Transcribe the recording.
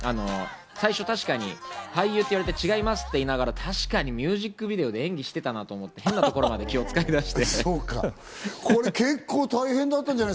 最初、確かに「俳優」と言われて、違いますと言いながら、確かにミュージックビデオで演技してたなというところまで気を使いだして。